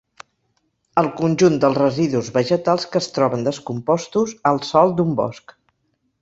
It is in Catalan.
El conjunt dels residus vegetals que es troben descompostos al sòl d'un bosc.